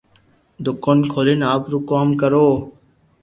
دوڪون کولين آپرو ڪوم ڪرو